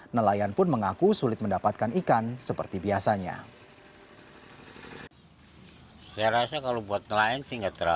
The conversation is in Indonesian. nelayan pun mengaku sulit mendapatkan ikan seperti biasanya